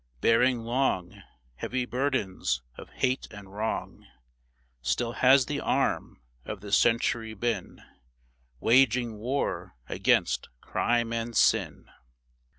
Bearing long Heavy burdens of hate and wrong, Still has the arm of the Century been Waging war against crime and sin.